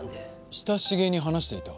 親しげに話していた。